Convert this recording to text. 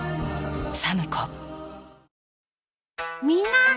みんな！